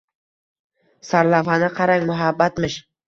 Sarlavhani qarang, muhabbatmish